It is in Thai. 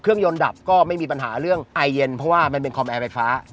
ยนต์ดับก็ไม่มีปัญหาเรื่องไอเย็นเพราะว่ามันเป็นคอมแอร์ไฟฟ้า